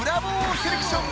セレクション